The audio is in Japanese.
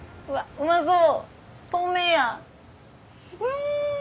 うまそう！